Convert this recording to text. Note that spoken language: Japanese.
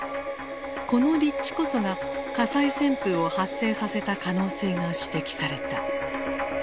この立地こそが火災旋風を発生させた可能性が指摘された。